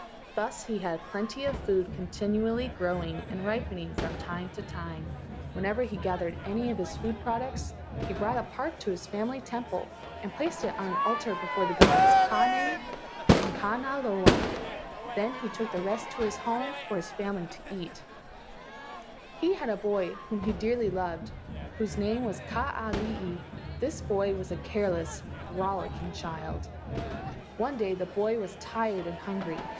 Thus he had plenty of food continually grow¬ ing, and ripening from time to time. Whenever he gathered any of his food products he brought a part to his family temple and placed it on an * Maia or Musa sapientum. t Calocasia antiquorum. MALUAE AND THE UNDER WORLD 15 altar before the gods Kane and Kanaloa, then he took the rest to his home for his family to eat. He had a boy whom he dearly loved, whose name was Kaa lii (rolling chief).. This boy was a careless, rollicking child. One day the boy was tired and hungry.